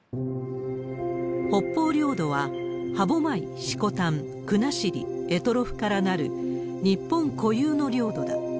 北方領土は、歯舞、色丹、国後、択捉からなる、日本固有の領土だ。